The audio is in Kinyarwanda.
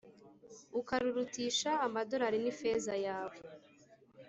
Ukarurutisha amadorari nifeza yawe